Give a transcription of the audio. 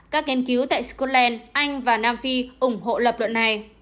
các nghiên cứu tại scotland anh và nam phi ủng hộ lập luận này